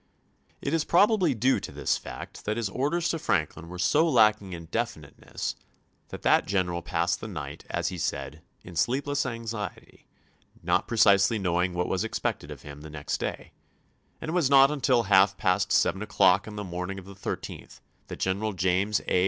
It is probably due to this fact that his orders to Franklin were so lacking in definiteness that that general passed the night, as he says, in "sleep less anxiety," not precisely knowing what was ex pected of him the next day ; and it was not until half past seven o'clock in the morning of the 13th ftlfeSlt, that Greneral James A.